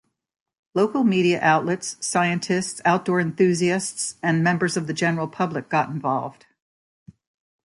Local media outlets, scientists, outdoors enthusiasts and members of the general public got involved.